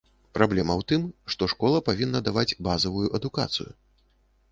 Праблема ў тым, што школа павінна даваць базавую адукацыю.